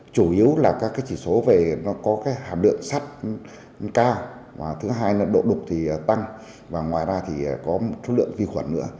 chủ yếu là các cái chỉ số về nó có cái hàm lượng sắt cao và thứ hai là độ đục thì tăng và ngoài ra thì có một số lượng vi khuẩn nữa